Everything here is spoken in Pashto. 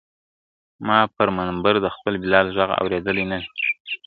ما پر منبر د خپل بلال ږغ اورېدلی نه دی !.